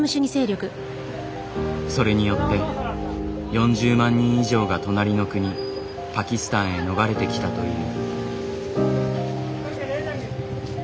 それによって４０万人以上が隣の国パキスタンへ逃れてきたという。